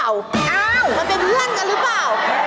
้าวมันเป็นเพื่อนกันรึป่าว